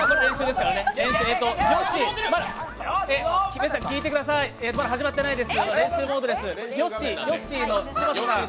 皆さん、聞いてください、まだ始まっていないです。